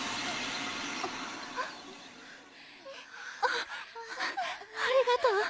あっありがとう。